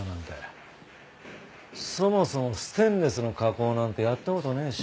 そもそもステンレスの加工なんてやった事ねえし。